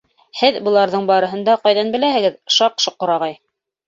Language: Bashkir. — Һеҙ быларҙың барыһын да ҡайҙан беләһегеҙ, Шаҡ-Шоҡор ағай?